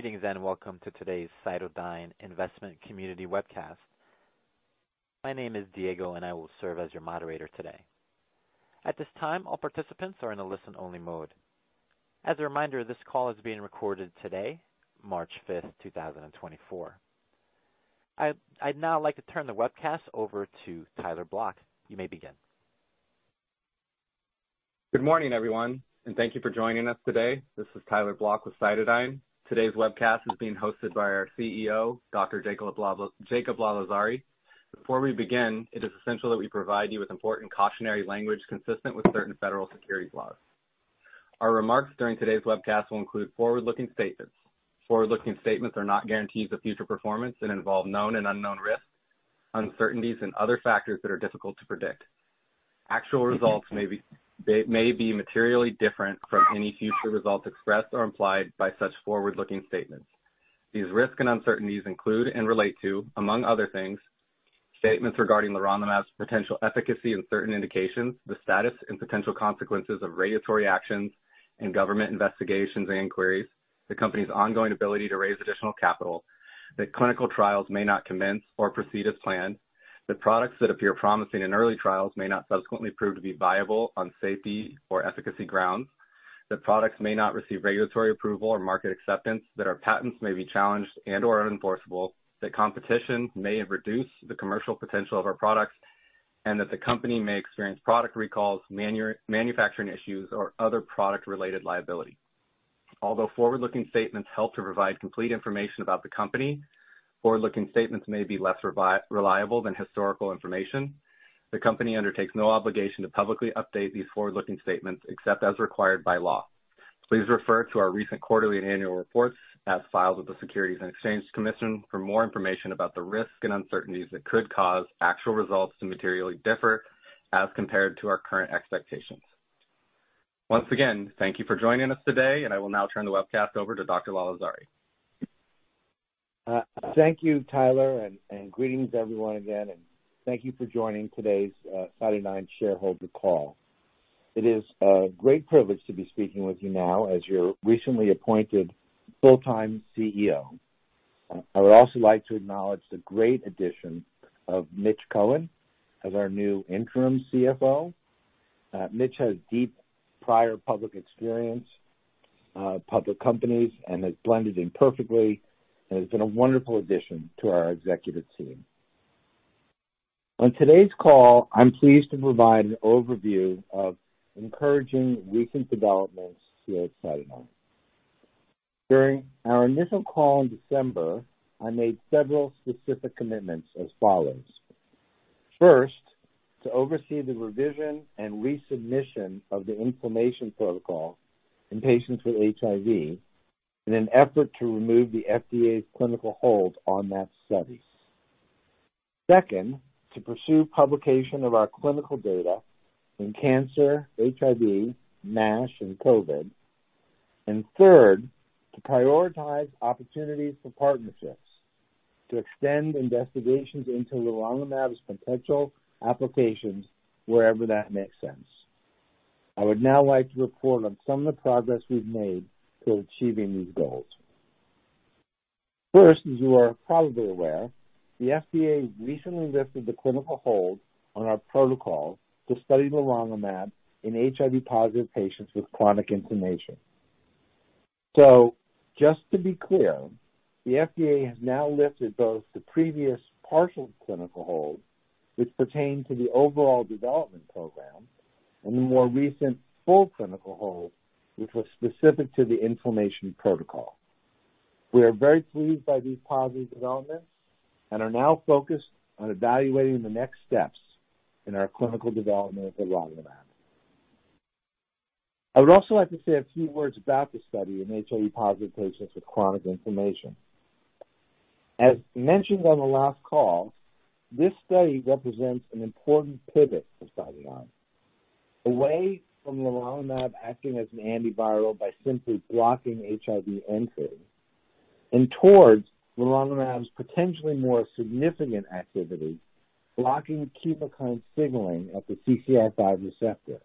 Greetings, and welcome to today's CytoDyn Investment Community Webcast. My name is Diego, and I will serve as your moderator today. At this time, all participants are in a listen-only mode. As a reminder, this call is being recorded today, March fifth, two thousand and twenty-four. I'd now like to turn the webcast over to Tyler Blok. You may begin. Good morning, everyone, and thank you for joining us today. This is Tyler Blok with CytoDyn. Today's webcast is being hosted by our CEO, Dr. Jacob Lalezari. Before we begin, it is essential that we provide you with important cautionary language consistent with certain federal securities laws. Our remarks during today's webcast will include forward-looking statements. Forward-looking statements are not guarantees of future performance and involve known and unknown risks, uncertainties, and other factors that are difficult to predict. Actual results may be, they may be materially different from any future results expressed or implied by such forward-looking statements. These risks and uncertainties include and relate to, among other things, statements regarding the leronlimab's potential efficacy in certain indications, the status and potential consequences of regulatory actions and government investigations and inquiries, the company's ongoing ability to raise additional capital, that clinical trials may not commence or proceed as planned. That products that appear promising in early trials may not subsequently prove to be viable on safety or efficacy grounds. That products may not receive regulatory approval or market acceptance, that our patents may be challenged and/or unenforceable, that competition may have reduced the commercial potential of our products, and that the company may experience product recalls, manufacturing issues, or other product-related liability. Although forward-looking statements help to provide complete information about the company, forward-looking statements may be less reliable than historical information. The company undertakes no obligation to publicly update these forward-looking statements except as required by law. Please refer to our recent quarterly and annual reports as filed with the Securities and Exchange Commission for more information about the risks and uncertainties that could cause actual results to materially differ as compared to our current expectations. Once again, thank you for joining us today, and I will now turn the webcast over to Dr. Jacob Lalezari. Thank you, Tyler, and greetings everyone again, and thank you for joining today's CytoDyn shareholder call. It is a great privilege to be speaking with you now as your recently appointed full-time CEO. I would also like to acknowledge the great addition of Mitch Cohen as our new interim CFO. Mitch has deep prior public experience, public companies, and has blended in perfectly and has been a wonderful addition to our executive team. On today's call, I'm pleased to provide an overview of encouraging recent developments here at CytoDyn. During our initial call in December, I made several specific commitments as follows: First, to oversee the revision and resubmission of the inflammation protocol in patients with HIV, in an effort to remove the FDA's clinical hold on that study. Second, to pursue publication of our clinical data in cancer, HIV, NASH, and COVID. Third, to prioritize opportunities for partnerships to extend investigations into leronlimab's potential applications wherever that makes sense. I would now like to report on some of the progress we've made toward achieving these goals. First, as you are probably aware, the FDA recently lifted the clinical hold on our protocol to study leronlimab in HIV-positive patients with chronic inflammation. So just to be clear, the FDA has now lifted both the previous partial clinical hold, which pertained to the overall development program, and the more recent full clinical hold, which was specific to the inflammation protocol. We are very pleased by these positive developments and are now focused on evaluating the next steps in our clinical development of leronlimab. I would also like to say a few words about the study in HIV-positive patients with chronic inflammation. As mentioned on the last call, this study represents an important pivot for CytoDyn, away from leronlimab acting as an antiviral by simply blocking HIV entry, and towards leronlimab's potentially more significant activity, blocking chemokine signaling at the CCR5 receptor.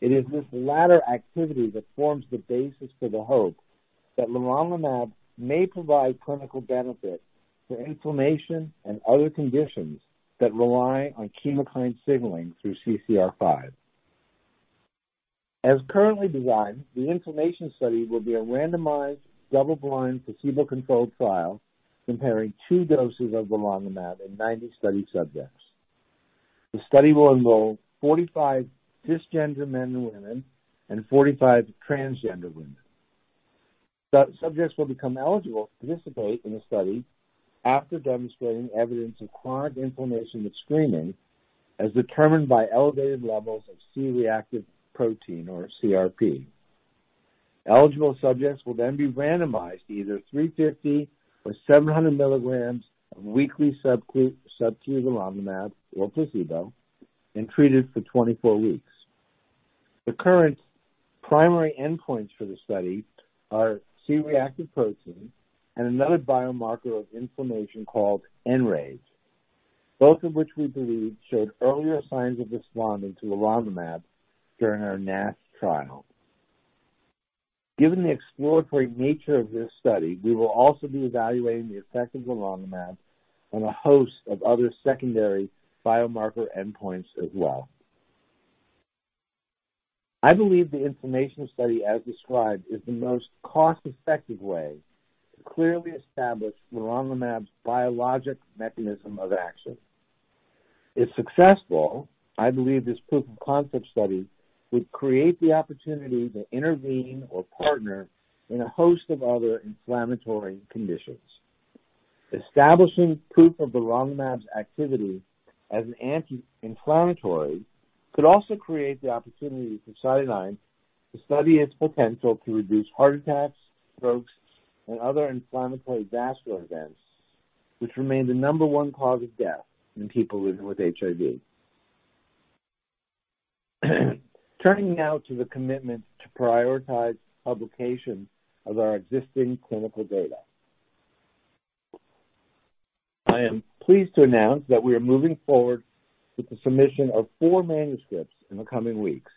It is this latter activity that forms the basis for the hope that leronlimab may provide clinical benefit for inflammation and other conditions that rely on chemokine signaling through CCR5. As currently designed, the inflammation study will be a randomized, double-blind, placebo-controlled trial comparing two doses of leronlimab in 90 study subjects. The study will enroll 45 cisgender men and women and 45 transgender women. The subjects will become eligible to participate in the study after demonstrating evidence of chronic inflammation with screening, as determined by elevated levels of C-reactive protein or CRP. Eligible subjects will then be randomized to either 350 or 700 milligrams of weekly subcutaneous leronlimab or placebo, and treated for 24 weeks. The current primary endpoints for the study are C-reactive protein and another biomarker of inflammation called IL-6, both of which we believe showed earlier signs of responding to leronlimab during our NASH trial. Given the exploratory nature of this study, we will also be evaluating the effects of leronlimab on a host of other secondary biomarker endpoints as well. I believe the inflammation study, as described, is the most cost-effective way to clearly establish leronlimab's biologic mechanism of action. If successful, I believe this proof of concept study would create the opportunity to intervene or partner in a host of other inflammatory conditions. Establishing proof of leronlimab's activity as an anti-inflammatory could also create the opportunity for CytoDyn to study its potential to reduce heart attacks, strokes, and other inflammatory vascular events, which remain the number one cause of death in people living with HIV. Turning now to the commitment to prioritize publication of our existing clinical data. I am pleased to announce that we are moving forward with the submission of four manuscripts in the coming weeks,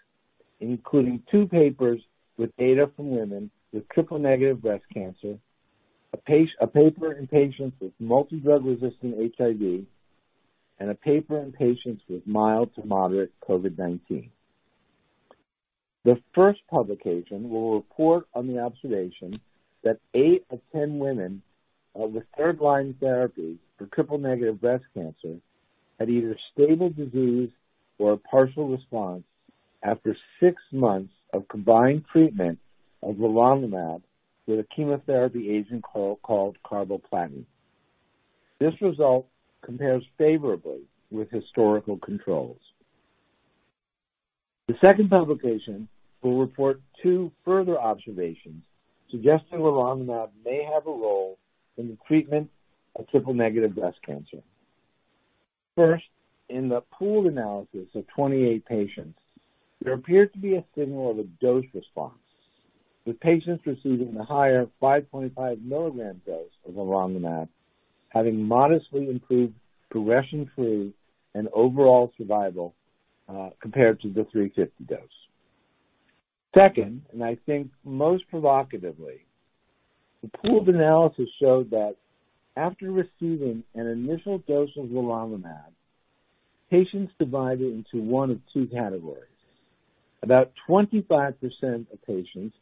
including two papers with data from women with triple-negative breast cancer, a paper in patients with multidrug-resistant HIV, and a paper in patients with mild to moderate COVID-19. The first publication will report on the observation that eight of 10 women on the third line therapy for triple-negative breast cancer, had either stable disease or a partial response after six months of combined treatment of leronlimab with a chemotherapy agent called carboplatin. This result compares favorably with historical controls. The second publication will report two further observations, suggesting leronlimab may have a role in the treatment of triple-negative breast cancer. First, in the pooled analysis of 28 patients, there appeared to be a signal of a dose response, with patients receiving the higher 5.5 milligram dose of leronlimab, having modestly improved progression-free and overall survival, compared to the 350 dose. Second, and I think most provocatively, the pooled analysis showed that after receiving an initial dose of leronlimab, patients divided into one of two categories. About 25% of patients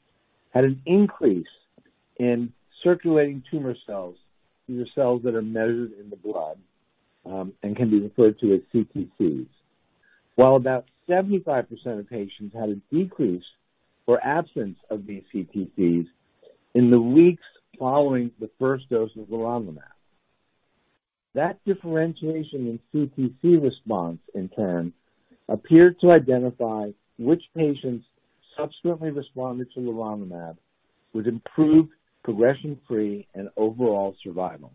had an increase in circulating tumor cells, these are cells that are measured in the blood, and can be referred to as CTCs. While about 75% of patients had a decrease or absence of these CTCs in the weeks following the first dose of leronlimab. That differentiation in CTC response in turn appeared to identify which patients subsequently responded to leronlimab, with improved progression-free and overall survival.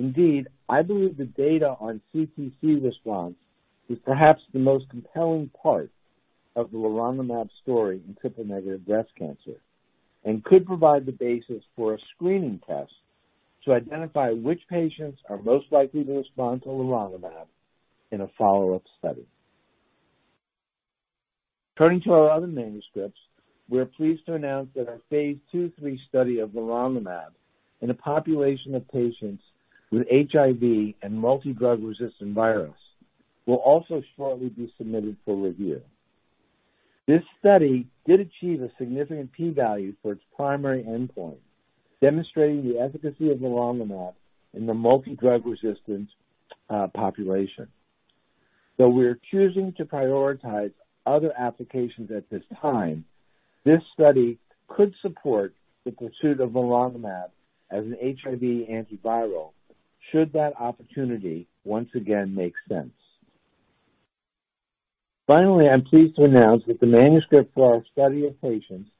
Indeed, I believe the data on CTC response is perhaps the most compelling part of the leronlimab story in triple-negative breast cancer, and could provide the basis for a screening test to identify which patients are most likely to respond to leronlimab in a follow-up study. Turning to our other manuscripts, we are pleased to announce that our phase II, phase III study of leronlimab in a population of patients with HIV and multidrug-resistant HIV will also shortly be submitted for review. This study did achieve a significant P value for its primary endpoint, demonstrating the efficacy of leronlimab in the multidrug-resistant HIV population. Though we're choosing to prioritize other applications at this time, this study could support the pursuit of leronlimab as an HIV antiviral, should that opportunity once again make sense. Finally, I'm pleased to announce that the manuscript for our study of patients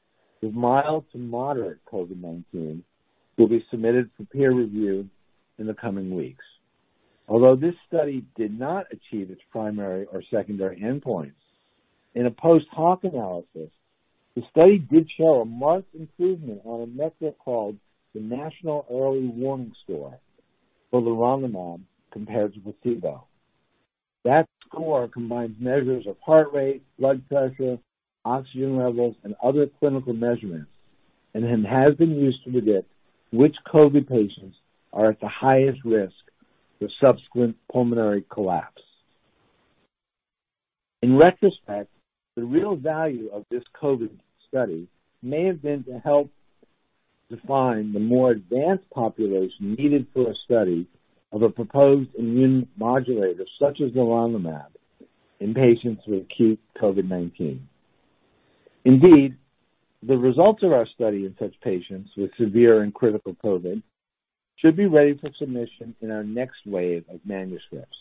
with mild to moderate COVID-19 will be submitted for peer review in the coming weeks. Although this study did not achieve its primary or secondary endpoints, in a post-hoc analysis, the study did show a marked improvement on a metric called the National Early Warning Score for leronlimab compared to placebo. That score combines measures of heart rate, blood pressure, oxygen levels, and other clinical measurements, and it has been used to predict which COVID patients are at the highest risk for subsequent pulmonary collapse. In retrospect, the real value of this COVID study may have been to help define the more advanced population needed for a study of a proposed immune modulator, such as Leronlimab, in patients with acute COVID-19. Indeed, the results of our study in such patients with severe and critical COVID should be ready for submission in our next wave of manuscripts.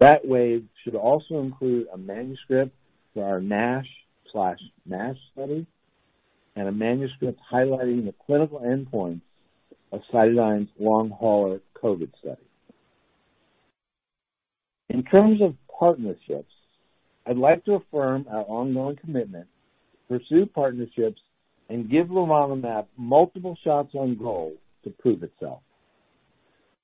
That wave should also include a manuscript for our NASH/MASH study, and a manuscript highlighting the clinical endpoints of CytoDyn's long hauler COVID study.... In terms of partnerships, I'd like to affirm our ongoing commitment to pursue partnerships and give Leronlimab multiple shots on goal to prove itself.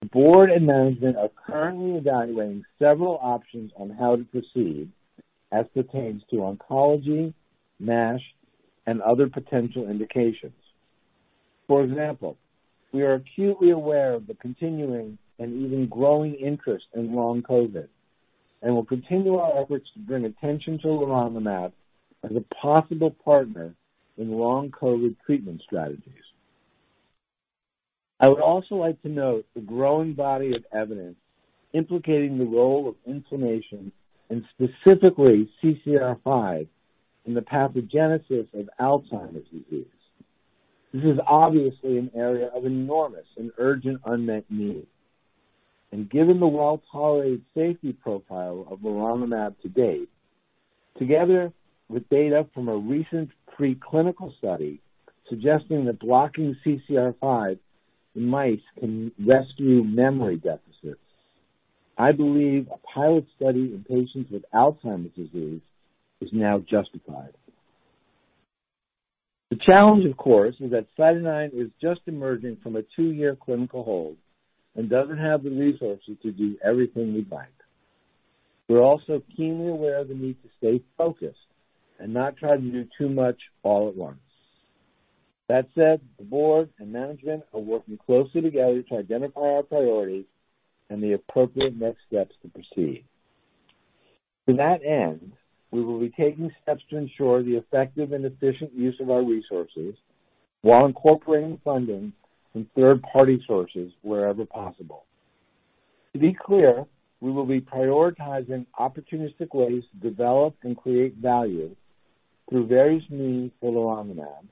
The board and management are currently evaluating several options on how to proceed as pertains to oncology, MASH, and other potential indications. For example, we are acutely aware of the continuing and even growing interest in Long COVID, and we'll continue our efforts to bring attention to leronlimab as a possible partner in Long COVID treatment strategies. I would also like to note the growing body of evidence implicating the role of inflammation and specifically CCR5 in the pathogenesis of Alzheimer's disease. This is obviously an area of enormous and urgent unmet need, and given the well-tolerated safety profile of leronlimab to date, together with data from a recent preclinical study suggesting that blocking CCR5 in mice can rescue memory deficits, I believe a pilot study in patients with Alzheimer's disease is now justified. The challenge, of course, is that CytoDyn is just emerging from a two-year clinical hold and doesn't have the resources to do everything we'd like. We're also keenly aware of the need to stay focused and not try to do too much all at once. That said, the board and management are working closely together to identify our priorities and the appropriate next steps to proceed. To that end, we will be taking steps to ensure the effective and efficient use of our resources while incorporating funding from third-party sources wherever possible. To be clear, we will be prioritizing opportunistic ways to develop and create value through various means for leronlimab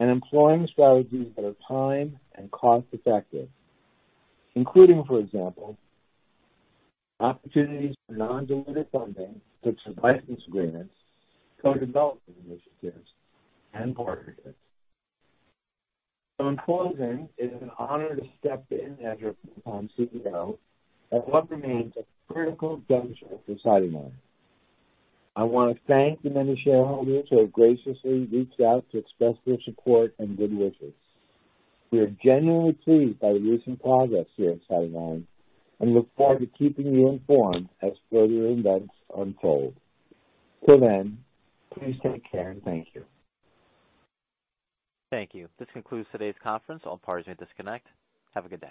and employing strategies that are time and cost effective, including, for example, opportunities for non-dilutive funding, such as license agreements, co-development initiatives, and partnerships. So in closing, it is an honor to step in as your full-time CEO at what remains a critical juncture for CytoDyn. I want to thank the many shareholders who have graciously reached out to express their support and good wishes. We are genuinely pleased by the recent progress here at CytoDyn and look forward to keeping you informed as further events unfold. Till then, please take care, and thank you. Thank you. This concludes today's conference. All parties may disconnect. Have a good day.